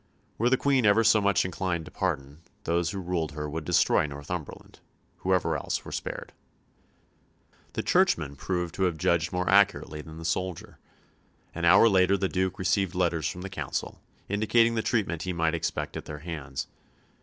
Were the Queen ever so much inclined to pardon, those who ruled her would destroy Northumberland, whoever else were spared. The churchman proved to have judged more accurately than the soldier. An hour later the Duke received letters from the Council, indicating the treatment he might expect at their hands.